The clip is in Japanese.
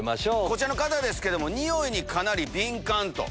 こちらの方ですけどニオイにかなり敏感と。